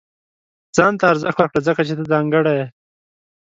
• ځان ته ارزښت ورکړه، ځکه چې ته ځانګړی یې.